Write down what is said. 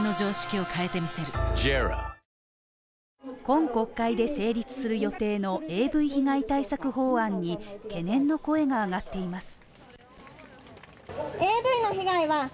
今国会で成立する予定のＡＶ被害対策法案に懸念の声が上がっています。